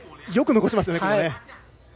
よく残しましたね。